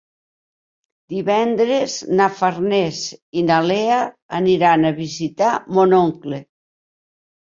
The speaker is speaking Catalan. Divendres na Farners i na Lea aniran a visitar mon oncle.